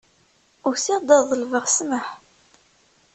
Usiɣ-d ad ḍelbeɣ ssmaḥ.